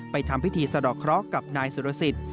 ทำพิธีสะดอกเคราะห์กับนายสุรสิทธิ์